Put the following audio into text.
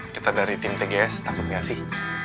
kita dari tim tgs takut gak sih